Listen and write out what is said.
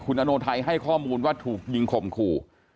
อโนไทยให้ข้อมูลว่าถูกยิงข่มขู่